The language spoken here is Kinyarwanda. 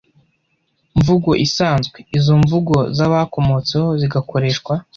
mvugo isanzwe izo mvugo zabakomotseho zigakoreshwa